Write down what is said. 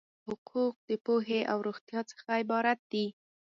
دا حقوق د پوهې او روغتیا څخه عبارت دي.